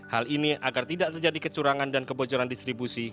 hal ini agar tidak terjadi kecurangan dan kebocoran distribusi